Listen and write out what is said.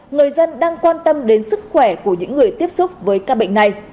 người dân đang quan tâm đến sức khỏe của những người tiếp xúc với các bệnh này